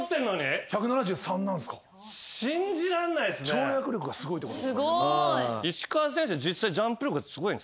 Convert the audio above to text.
跳躍力がすごいってこと。